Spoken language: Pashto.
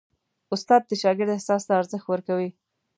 استاد د شاګرد احساس ته ارزښت ورکوي.